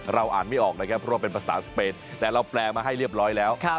อ่านไม่ออกนะครับเพราะว่าเป็นภาษาสเปนแต่เราแปลมาให้เรียบร้อยแล้ว